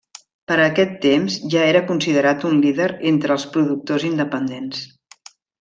Per a aquest temps ja era considerat un líder entre els productors independents.